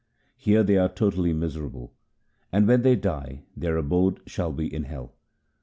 Here they are totally miserable, and when they die their abode shall be in hell.